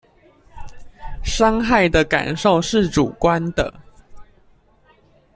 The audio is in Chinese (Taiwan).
傷害的感受是主觀的